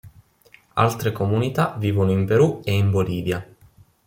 Altre comunità vivono in Perù e in Bolivia.